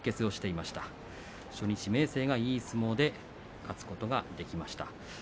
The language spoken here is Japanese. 初日、明生がいい相撲で勝つことができました。